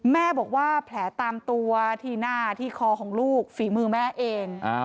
แม่บอกว่าแผลตามตัวที่หน้าที่คอของลูกฝีมือแม่เอง